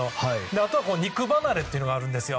あとは肉離れがあるんですよ。